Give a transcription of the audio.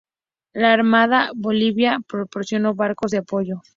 La armada boliviana proporcionó barcos de apoyo.